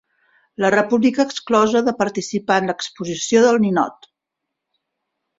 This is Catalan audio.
La República exclosa de participar en l'Exposició del Ninot